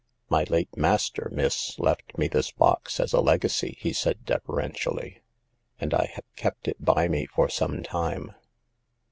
" My late master, miss, left me this box as a legacy," he said deferentially, " and I have kept it by me for some time.